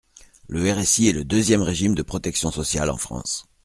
Le RSI est le deuxième régime de protection sociale en France.